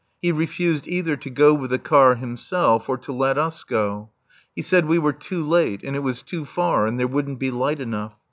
He refused either to go with the car himself or to let us go. He said we were too late and it was too far and there wouldn't be light enough.